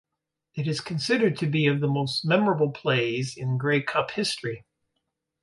It is considered to be of the most memorable plays in Grey Cup history.